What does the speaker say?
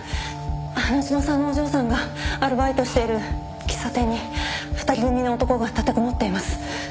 花島さんのお嬢さんがアルバイトしている喫茶店に２人組の男が立てこもっています。